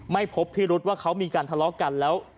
ไม่พบพิรุษว่าเขามีการทะเลาะกันแล้ว